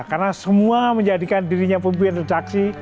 karena semua menjadikan dirinya pemimpin redaksi